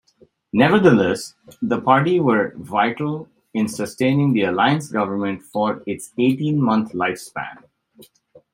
Nevertheless, the party were vital in sustaining the Alliance government for its eighteen-month lifespan.